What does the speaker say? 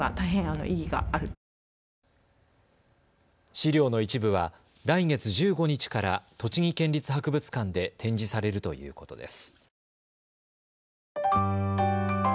資料の一部は来月１５日から栃木県立博物館で展示されるということです。